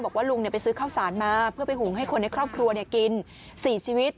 บอกว่าลุงไปซื้อข้าวสารมาเพื่อไปหุงให้คนในครอบครัวกิน๔ชีวิต